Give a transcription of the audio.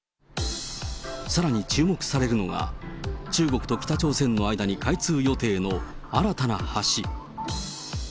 さらに注目されるのが、中国と北朝鮮の間に開通予定の新たな橋。